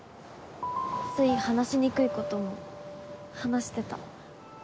つい話しにくいことも話してた。